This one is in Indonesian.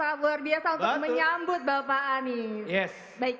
sangat luar biasa untuk menyambut bapak anies